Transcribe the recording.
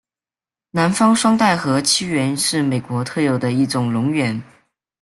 南方双带河溪螈是美国特有的一种蝾螈。